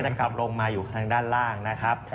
กลับลงมาอยู่ทางด้านล่างนะครับ